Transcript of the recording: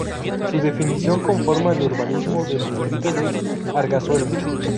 Su definición conforma el urbanismo del distrito de Arganzuela.